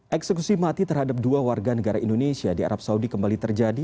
eksekusi mati terhadap dua warga negara indonesia di arab saudi kembali terjadi